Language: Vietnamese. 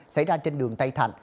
xảy ra trên đường tây thạnh